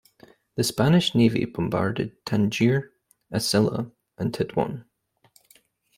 The Spanish navy bombarded Tangier, Asilah and Tetouan.